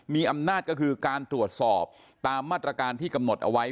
มีอำนาจก็คือการตรวจสอบตามมาตรการที่กำหนดเอาไว้